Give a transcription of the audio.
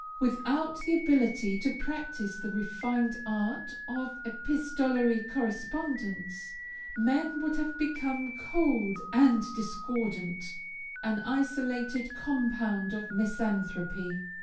Without the ability to practice the refined art of epistolary correspondence, men would become cold and discordant: an isolated compound of misanthropy.